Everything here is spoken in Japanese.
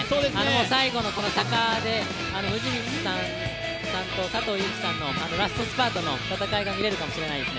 最後のこの坂で藤光さんと佐藤悠基さんのラストスパートの戦いが見れるかもしれないですね。